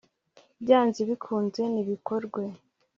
byanze bikunze nibikorwe